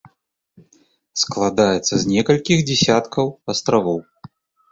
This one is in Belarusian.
Складаецца з некалькіх дзесяткаў астравоў.